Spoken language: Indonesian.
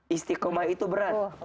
istiqomah itu berat